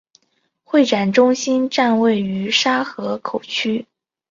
会展中心站位于沙河口区。